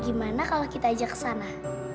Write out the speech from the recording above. gimana kalau kita ajak ke sana